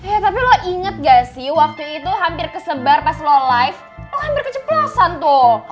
ya tapi lo inget gak sih waktu itu hampir kesebar pas lo live lo hampir keceplosan tuh